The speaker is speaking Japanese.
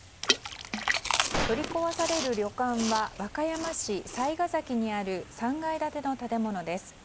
取り壊される旅館は和歌山市雑賀崎にある３階建ての建物です。